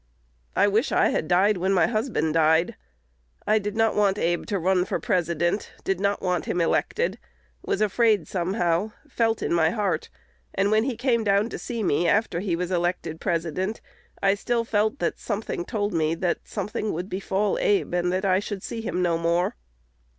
I wish I had died when my husband died. I did not want Abe to run for President; did not want him elected; was afraid somehow, felt in my heart; and when he came down to see me, after he was elected President, I still felt that something told me that something would befall Abe, and that I should see him no more."